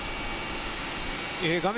画面